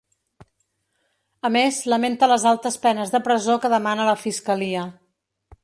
A més lamenta les altes penes de presó que demana la fiscalia.